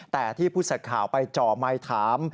แต่ที่ผู้สิทธิ์ข่าวไปเจาะไม้ถาม